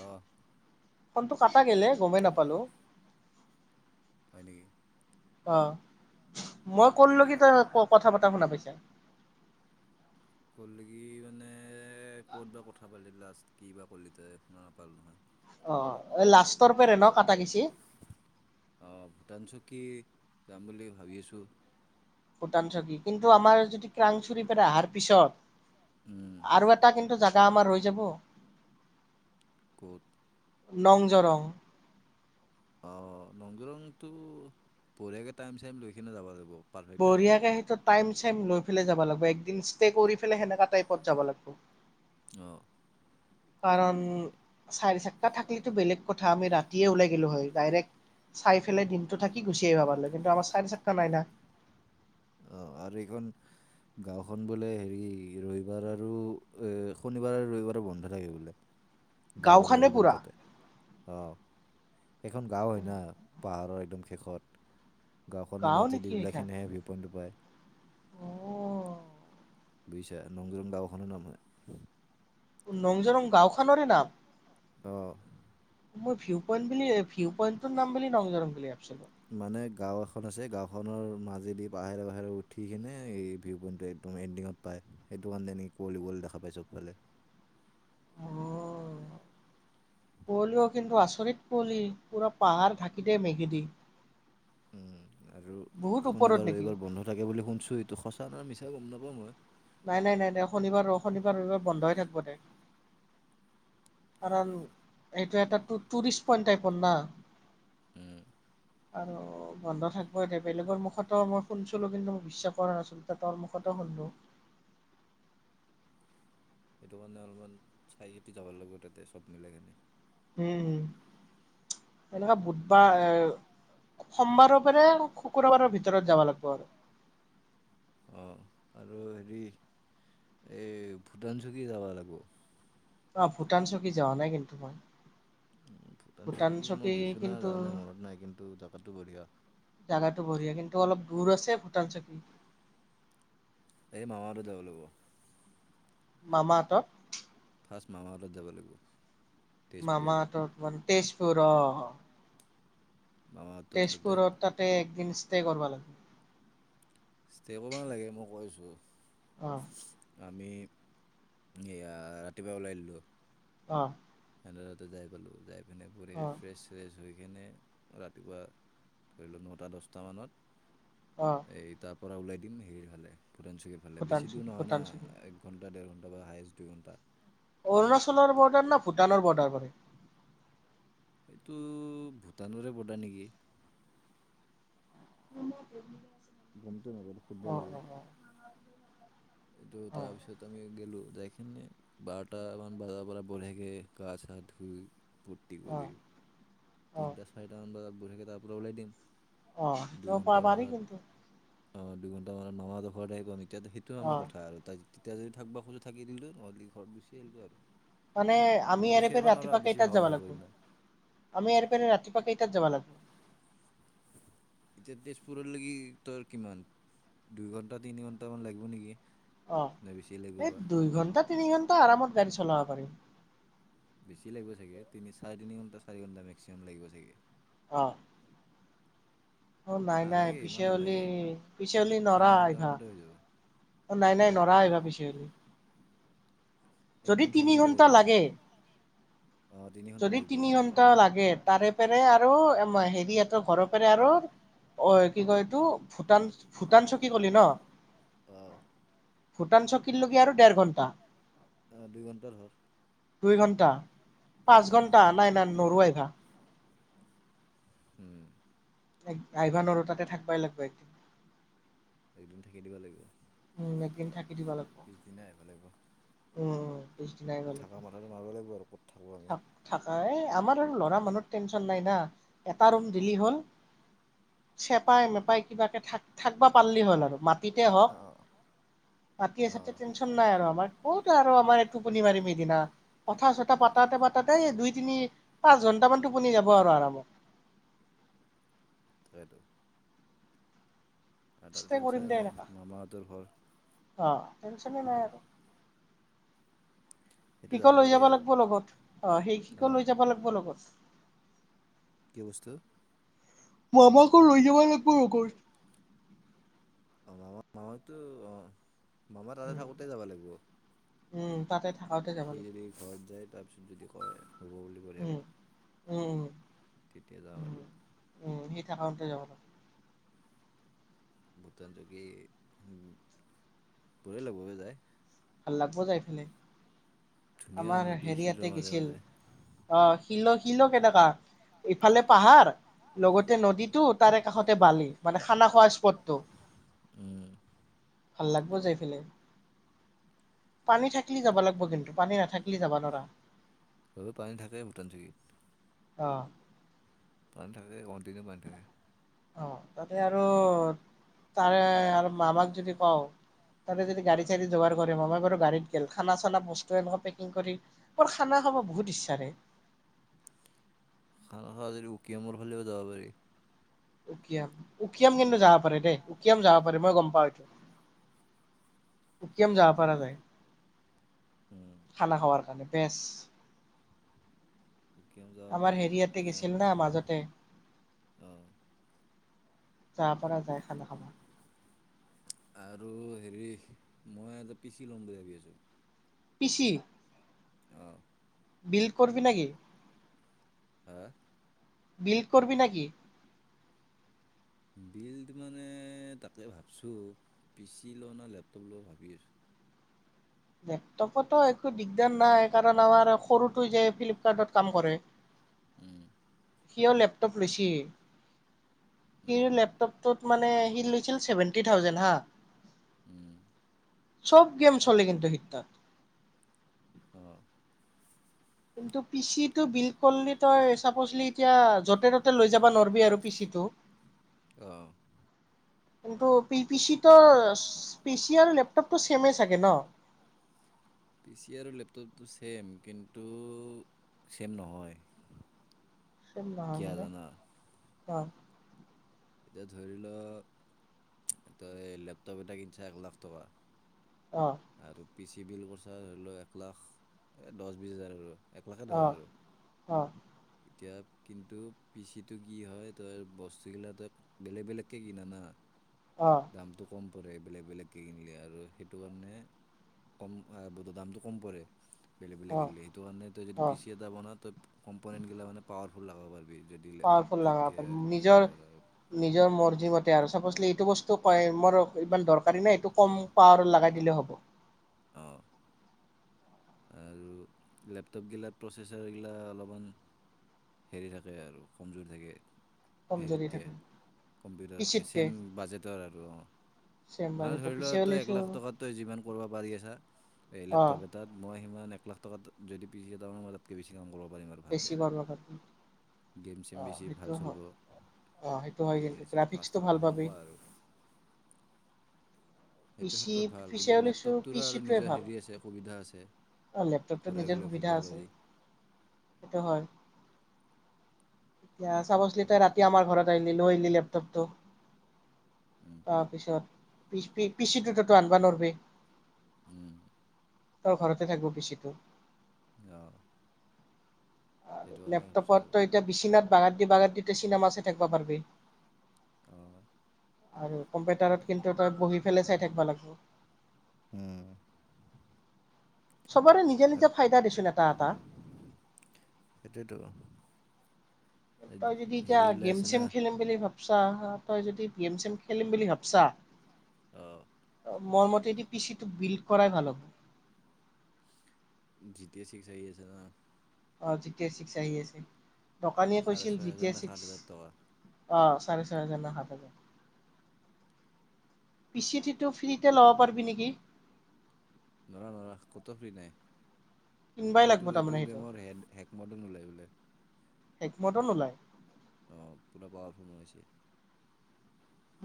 অহ। টো কটা গলে গমেই নাপালো। হয়, নিকি। অ মই কললো কি তই কথা পতা শুনা পাইছা। কল কি মানে ক'ত বা কথা পালি লাষ্ট কি বা ক'লি তই শুনা নাপাল নহয় অ এই লাষ্টৰ পেৰে ন কটা গেচি। আহ ভূটান চকী যাম বুলি ভাবি আছো। ভূটান চকী কিন্তু আমাৰ যদি ক্ৰাংচুৰ প অহাৰ পিছত আৰু এটা কিন্তু জ ত আমাৰ হৈ যাব ক'ত, লং জৰং অ লং জৰংটো বঢ়িয়াকে টাইম চাইম লৈ কিনে যাব লাগিব। পাৰফেক্ট টাইমত বঢ়িয়া কে সেইটো টাইম চাইম লৈ ফেলাই যাব লাগিব। একদিন ষ্টে কৰি ফেলে সেনেকা টাইপত যাব লাগিব। আহ। কাৰণ চাৰি চাকটা থাকিলো বেলেগ কথা আমি ৰাতিয়ে ওলাই গলো হয় ডাইৰেক্ট চাই পেলাই দিনটো থাকি গুচিয়াই ভাব কিন্তু আমাৰ চাৰি চাকটা নাই ন। অ, আৰু এইখন গাওঁখন বোলে হেৰি ৰবিবাৰ আৰু এ শনিবাৰ আৰু ৰবিবাৰ বন্ধ থাকে বোলে। যাব গাঁওখনে নোৱাৰি বোলে পুৰা তাতে আহ। এখন গাও হয় ন। পাহাৰৰ একদম শেষত গাঁওখনৰ গাঁও নেকি মাজেদি ওলাই সেইখন খেনেহে ডুবাই অ', বুজিছা নংগং গাঁওখনৰ নাম হয়। নংজৰং গাঁওখনৰেই নাম? আহ মই ভিউ পইণ্ট বুলি ভিউ পইণ্টৰ নাম বুলি নংজৰং বুলি ভাব চিলো। মানে গাঁও এখন আছে গাঁওখনৰ মাজেদি পাহেৰে পাহৰে উঠি কিনে এই ভিউ পইণ্ট একদম এণ্ডিঙত পায় সেইটো কাৰণে নেকি কুঁৱলি কুৱলি দেখা পায় চবফালে। কুঁৱলিও কিন্তু আচৰিত কুঁৱলি পুৰা পাহাৰ ঢাকি দ মেঘেদি। উম। আৰু বহুত ওপৰত শনিবাৰ নেকি? এইবাৰ বন্ধ থাকে বুলি শুনছো এইটো সঁচা ন মি। সেয়া গম নাপাওঁ মই নাই নাই নাই দে শনিবাৰ ৰ শনিবাৰ ৰবিবাৰ বন্ধ হৈ থাকিব দে কাৰণ সেইটো এটা টু টুৰিষ্ট পইন্ট টাইপত না উম আৰু বন্ধ থাকিব এতিয়া বেলেগৰ মুখতো মই শুনছিলো কিন্তু মোক বিশ্বাস কৰা নাছিলো ততৰ মুখতো শুনলো সেইটো কাৰণে অলপমান চাই চিতি যাব লাগিব তাতে চব মিলাই কেনে উম এনেকা বু বা এ সোমবাৰৰ পৰা শুক্ৰবাৰৰ ভিতৰত যাব লাগিব আৰু অ আৰু হেৰি এই ভূটান চুকী যাবা লাগব অ ভূটান চকী যাৱা নাই কিন্তু মই উম ভূটান চুকি মই চকী গৈছোঁ না কিন্তু যাওঁ নে মনত নাই কিন্তু জাগাটো বঢ়িয়া জাগাটো বঢ়িয়া কিন্তু অলপ দূৰ আছে ভূটান চকী এই মামা আৰু তেওঁ ল'ব মামাহঁতৰ ফাৰ্ষ্ট মামা তাত যাব লাগিব তেজপুৰ মামাহঁতৰ অকমান তেজপুৰ অ মামাহঁতৰ তাতে তেজপুৰত তাতে একদিন কৰিবা লাগব ষ্টে কৰিব নেলাগে মই কৈ আছোঁ আহ আমি য়া ৰাতিপুৱা ওলাই দিলোঁ অ তেহেতৰ তাতে যাই পালো যাই নে পুৰে অ ফ্ৰেছ চেচ হৈ সেইকিনে ৰাতিপুৱা ধৰি লও নটা অ দচটামানত এই তা পৰা ওলাই দিম হেৰী ফালে ভূটান চকীৰ ভালে ভূটান বেছি দূৰ চকী নহয় না ভূটান চকী এক ঘণ্টা ডেৰ ঘণ্টা তাপা হাইচ দু ঘণ্টা অৰুণাচলৰ বৰ্ডাৰ নে ভূটানৰ বৰ্ডাৰ পৰে সেইটো ভূটানৰে বৰ্ডাৰ নেকি উম [unintelligible] গমতো নাপাওঁ সেইটো সুধব লাগব এইটো অ তাৰপিছত আমি গেলো যায়কিনে বাৰটা মান বজাৰ পৰা বঢ়িয়াকে গা চা ধুই ফুৰ্তি অ অ কৰি অ তিনিটা ছয়টা মান বজাত বঢ়িয়াকে তাৰ পৰা ওলাই দিম আহ দুই সেইটো প পাৰি ঘণ্টামানত কিন্তু অ দুঘণ্টা মানত মামাহঁতৰ ঘৰত আহি পামহি সেইটো অ আমাৰ কথা আৰু তাই তেতিয়া যদি থাকবা খোজঁ থাকি দিলোঁ নহ'লে ঘৰত গুচি আহিলো আৰু মানে ঘৰত আমি গুচি এনেকে আহিবা নোৱাৰা ৰাতিপুৱা বেছি কেইটাত ভাগৰ যাব ধৰিব সিদিনা লাগব আমি আৰ ৰাতি পা কেইতাত যাবা লাগব এতিয়া তেজপুৰলৈকি তৰ কিমান দুই ঘন্টা তিনি ঘন্টামান লাগিব নেকি অ নে বেছি লাগিব এই বা দুই ঘণ্টাত তিনি ঘণ্টা আৰামত গাড়ী চলাব পাৰিম বেছি লাগিব চাগে তিনি চাৰে তিনি ঘণ্টা চাৰি ঘন্টা মেক্সিমাম লাগিব চাগে অ অ এ নাই নাই নালাগে ইমান পিছে অলি নালাগে পিছে অলি নৰা তিনি আইভা ঘণ্টামানতে হৈ যাব অ নাই নাই নৰা আইভা পিছে আৰো যদি একদিন থাকি তিনি দিবা ঘন্টা লাগিব লাগে অ তিনি ঘণ্টা যদি লাগিব তিনি ঘন্টা লাগে তাৰে পেৰে আৰু এম হেৰিহঁতৰ ঘৰৰ পেৰে আৰু অ কি কয় এইটো ভূটান ভূটান চকী কলি ন অ ভূটান চকীৰ লগকে আৰু ডেৰ ঘণ্টা আহ দুই ঘণ্টা ধৰ দুই ঘণ্টা উম পাঁচ ঘন্টা নাই নাই নৰো আইভা উম এক আইভা নৰো তাতে থাকবাই লাগবাই একদিন থাকি দিব লাগিব একদিন থাক পিছদিনা এভলেবল অ থকা মাথাটো মাৰবই লাগব আৰু কত থাকোঁ আমি থাক থাকা এ আমাৰ আৰু লৰা মানুহ টেনচন নাই না এটা ৰুম দিলি হল চেপাই মেপাই কিবা কে থাক থাকবা ই হ'ল আৰু মাটিতে হক অ', অ', মাটিয়ে চাটিয়ে অ', টেনচন নাই আৰ আমাৰ কতো আৰ আমাৰ এই টোপনি মাৰিম সিদিনা কথা চথা পাত পাতাতে পাতাতে দুই তিনি পাঁচ ঘন্টামান টোপনি যাব আৰ আৰামত কটো ই কৰিম দে নাই এনেকা মামাহঁতৰ ঘৰ অ টেনচনে নাই আৰু সেইটো শিকো লৈ পাৰি যাব লাগ আৰু ব লগত অ সেই শিকো হা লৈ যাব লাগ ব লগত কে বস্তু ম মামাকো লৈ যাব লাগ ব লগৌ অ মামা মামাটো অ মামা তাতে উম থাকোতে যাবা লাগ ব উম, তাতে থাকাকে যাবা লাগব। যায় তাৰপিছত যদি কয়, হ'ব বুলি বঢ়িয়াকে উম উম তেতিয়া যাম আৰু। একাউণ্টতে যাব লাগে। বুটান যোগীবোৰে লবহে যায়। ভাল লাগব যাইফেলে। ধুনীয়া আমাৰ নদী শিলৰ হেৰিয়াতে মাজে গেছিল মাজে অ', শিল শিল কেনেকা ইফালে পাহাৰ লগতে নদীটো তাৰে কাষতে বালি মানে খানা খোৱা, স্পট তো। উম, ভাল লাগব যাই ফেলে। পানী থাকলি যাব লাগব কিন্তু পানী নাথাক, থাকিলি যাবা নৰা। ওঃ পানী থাকে ভূটান চকিত। অহ, থাকে কণ্টিনিও পানী থাকে। অ, তাতে আৰু তাৰে আৰু মামাক যদি কওঁ তাতে যদি গাড়ী- চাড়ী যোগাৰ কৰে মামাই বাৰু গাড়ীত গেল, খানা- চানা বস্তু এনেকুৱা পেকিং কৰি বৰ খানা খাব বহুত ইচ্ছাৰে। খানা খা যদি উকিয়ামৰ ফালেও যাব পাৰি। উকিয়াম- উকিয়াম কিন্তু যাব পাৰে দেই উকিয়াম যাব পাৰে, মই গম পাওঁ এইটো উকিয়াম যাব পাৰা যায়। উম, খানা -খোৱাৰ কাৰণে। বেছ, উকিয়াম যাব আমাৰ পাৰি হেৰিয়াতে উকিয়াম গেছিল না মাজতে, অ' যাৰ পৰা যায় খানা খাবা। আৰু হেৰি মই এটা পিচি ল'ম বুলি ভাবি আছোঁ। পিছি? অহ, ' বিল্ড কৰবি নেকি? হা, বিল্ড কৰবি নেকি? বিল্ড মানে, তাকে ভাবছো পিচি লওঁ না লেপটপ লও ভাবি আছো। লেপটপতো একো দিগদাৰ নাই কাৰণ আমাৰ সৰুটোই যে ফ্লিপকাৰ্টত কাম কৰে, উম, সিয় লেপটপ লৈছি। উম, সিৰ লেপটপটোত, মানে সি লৈছিল ছেভেনটি থাউজেণ্ড হা, উম, চব গেম চলে কিন্তু সেইতাত। অ, কিন্তু পিচিটো বিল্ড কৰলি তই চাপজলি এতিয়া য'তে -ত'তে লৈ যাব নৰবি আৰু পিচিটো। অহ, কিন্তু পি পি চি টু আৰু পি চি আৰু লেপটপটো ছেমেই চাগে ন',? পি চি আৰু লেপটপটো ছেম কিন্তু ছেম নহয়। কিয় জানা [unintelligible] অঁ এতিয়া ধৰি লও, তই এই লেপটপ এটা কিনছা এক লাখ টকা অ আৰু পি চি বিল কচা ধৰি লও এক লাখ দহ বিছ হাজাৰ ভিতৰত এক লাখে ধৰ অ', আৰু অ', এতিয়া কিন্তু পিচিটো কি হয় তই বস্তুগিলা তই বেলেগ বেলেগকে কিনা না? অ', দামটো কম পৰে বেলেগ বেলেগকৈ কিনিলে আৰু সেইটো কাৰণে, কম বৰ দামটো কম পৰে অ', সেইটো কাৰণে তই যদি পি অ', চি এটা বনা তই কমপনেন্টগিলা মানে পা [unintelligible] যদি পাৱাৰফুল লগাব লেপটপটোতকে পাৰি সেইটো নিজৰ কৰিব পাৰা আৰু নিজৰ মৰ্জিমতে আৰু চাপ'চলি এইটো বস্তু কয়ে, মোৰ ইমান দৰকাৰী নাই এইটো কম পাৱাৰত লগাই দিলে হ'ব অঁ আৰু লেপটপগিলাত প্ৰচেচাৰগিলা অলপমান হেৰি থাকে আৰু কমজোৰি থাকে কম যদি হেৰিতকৈ, থাকে পি কম্পিউটাৰতকৈ চিতকে ছেম বাজেটৰ আৰু, অঁ ছেম মানে বাজেটৰ ধৰি পি চি লোৱা ত এক ওলাইছো লাখ টকো যিমান কৰিব পাৰি আছা, এই অ', লেপটপ এটাত মই সিমান এক লাখ টকা তাত যদি পিচি এটা নহয় তাতকে বেছি [unintelligible] ভালকৈ বেছি কৰিব পাৰ, গেম চেম অঁ বেছি ভাল সেইটো হ, চলিব অঁ সেইটো এই হয় কিন্তু হেৰি চেৰি ফাষ্ট গ্ৰাফিক্সটো হ'ব ভাল পাবি। সেনেকুৱা আৰু পি সেইটো চি ক্ষেত্ৰত ভাল পি চি কিন্তু উ লিছো পি লেপটপটোৰো আৰু চিটোৱে নিজৰ ভাল হেৰি আছে সুবিধা আছে আৰু লেপটপটোত ঘূৰাই নিজৰ ঘূৰাই ফুৰিব সুবিধা আছে, পাৰি সেইটো হয় য়া চাবচলি তাই এনেকুৱা আৰু ৰাতি আমাৰ ঘৰত আহিলি লৈ আহিলি লেপ তবটো উম, তাৰপিছত পি পিচিটোতো আনবা নোৱাৰবি। উম ত ঘৰতে থাকিব পিচিটো গ আৰু লেপটেপত তই এতিয়া বিচনাাত বাগাদি বাগাত দিতে চিনেমা চাই থাকিব পাৰবি অঁ আৰু কম্পিউটাৰত কিন্তু তই বহি ফেলাই চাই থাকিব লাগ ব উম চবৰে নিজা নিজা ফাইদা দিচোন এটা এটা সেইটোৱেতো এই তই যদি এতিয়া হেৰি ওলাই গেম আছে না চেম খেলিম বুলি ভাব চা, তই যদি পি এম চি এম খেলিম বুলি ভাবছা অঁ [inaudible] মোৰ মতে পিটো বিল্ড কৰাই ভাল হব জি টি চিক আহি আছে ন অ জি চি চিক আহি আছে ন দকানীয়ে চাৰে কৈছিল ছয় জি ট হাজাৰ নে সাত ছিক্স হাজাৰ টকা অ চাৰে চয় হাজাৰ ন সাত হাজাৰ পিচিটটো ফ্ৰীতে ল'ব পাৰিবি নেকি নৰা নৰা ক'তো ফ্ৰী নাই কিনবাই আৰু লাগব এইটো এইটো তাৰমানে সেইটো গেমৰ হে হেকমডন নোলাই বোলে একমতো নোলাই আহ পোৰা পোৱাৰ হৈছে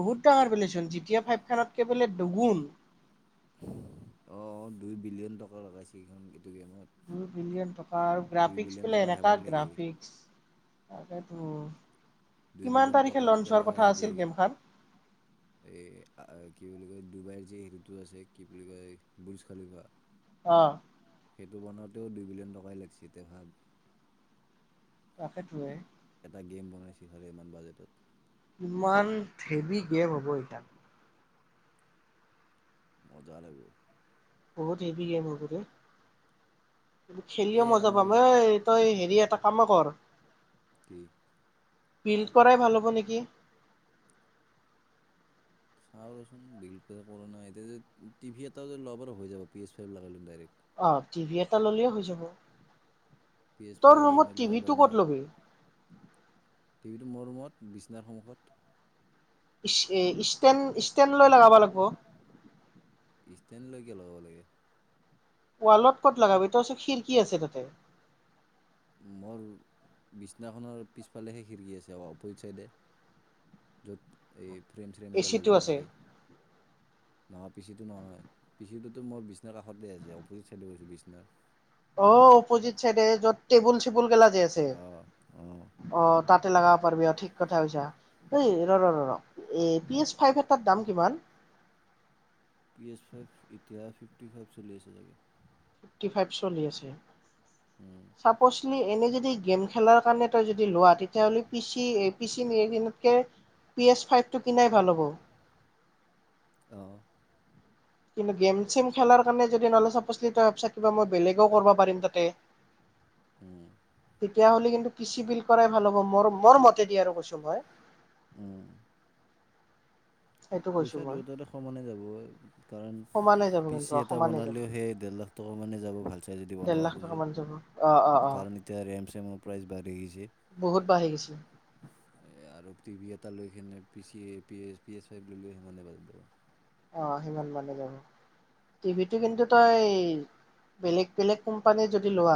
বহুত ডাঙৰ বেলেচোন যেতিয়া জি টি ফাই ভখনতকে বোলে দুগুণ অ দুই বিলিয়ন টকা লগাইছে লগাই দুই বিলিয়ন টকা আৰু দুই গ্ৰাফিক্স বিলিয়ন বলে টকা এনেককা ধেমালি নেকি গ্ৰাফিক্স সেইটো দুই বিলিয়ন টকাত কেলা হেৰি গেমখন এ আৰ কি বুলি কয় ডুবাইৰ যে হ তু আছে কি বুলি কয় বুইজ খালি কোৱা আহ সেইটো বনাওঁতেও দুই বিলিয়ন টকাই লাগিছে দে কাষেত ৰেই এটা গেম বনাইছিলে ইমান বাজেটত ইমান হেভি গেম হ'ব এতিয়া মজা লাগিব বহু হেবি লাগিব মোৰ কৰে খেলিও এই মজা আমাৰ পাম এ তই হেৰি এটা কাম কৰ এ বিল্ড কৰাই ভাল হ'ব নেকি চাওঁ চোন বিল কৰো এতি টিভি এটা লবৰ হৈ য়াব পি এচ। ফাইভ লগাই লয় দাৰেক্ট অ টিভি এটা ল'লে হৈ যাব পি এছ ফাইভ তোৰ ই এম ৰুমত আইত ল'ব পাৰি টিভিটো না ক'ত ল'বি টিভিটো মোৰ ৰুমত বিচনাৰ সন্মুখত ইষ্টেণ্ ষ্টেণ্ড লৈ লগাব লাগিব ইষ্ট নে লৈ কিয় লগাব লাগে ৱালত কত লগাবি তই চোন খিৰিকী আছে যাতে মোৰ বিছনাখনৰ পিছফালেহে খিৰিকী আছে অপজিট চাইডে য'ত এই ফ্ৰেম চ্ৰেমবিলা লগোৱা আছে নহয় পিচিটো নহয় পিচি টোতো মোৰ বিছনাৰ কাষতে আছে অপজিট চাইডে গৈছো বিছনাৰ অ অপ'জিট চাইডে য'ত চেবুল চেবুল গেলাক তাত আছে অঁ অঁ অ তাত লগাব পাৰিবি ঠিক কথা কছা এই ৰ ৰ ৰ পিএচ ফাইভ এটাৰ দাম কিমান পি এইচ ফাইভ এতিয়া ফিফটি ফাইভ চলি আছে চাগে। ফিফটি ফাইভ চলি আছে। চাপলি এনে যদি গেম খেলাৰ কাৰণে তই যদি লোৱা তেতিয়া'লে পিচি পি। সেনকে পিএছ ফাইভ টো কিনা। ভাল হ'ব। অঁ কিন্তু গেম চেম খেলাৰ কাৰণে যদি নহলো কিবা মই বেলেগও কৰিব পাৰিম তাতে। অঁ তেতিয়া হ'লে কিন্তু। পিচি বিল কৰাই ভাল হ'ব মোৰ মোৰ মতে। যদি আৰু কৈছো হয়। উম, পইচা দু এটাতে সমানে যাব কাৰণ সমানে যাব পি কিন্তু চি অ এটা সমানে যাব বনালেও সেই ডেৰ লাখ টকা মানে যাব ভাল চাইজদি ডেৰ বনাব লাখ টকা খোজো মান যাব অ অ অ কাৰণ এতিয়া ৰেম চেমত। প্ৰাইজ বাঢাৰছে। বহুত বাঢ়ি গৈছিল। এ আৰু টিভি এটা লৈ ল সি বাজাবা। অ সিমান মানে যাব টিভিটো কিন্তু তই বেলেগ বেলেগ কোম্পানী যদি লোৱা।